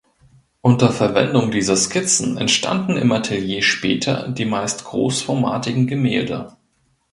Unter Verwendung dieser Skizzen entstanden im Atelier später die meist großformatigen Gemälde.